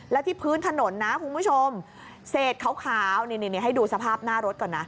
แล้วที่พื้นถนนนะคุณผู้ชมเศษขาวนี่ให้ดูสภาพหน้ารถก่อนนะ